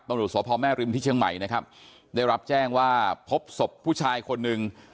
ตำรวจสพแม่ริมที่เชียงใหม่นะครับได้รับแจ้งว่าพบศพผู้ชายคนหนึ่ง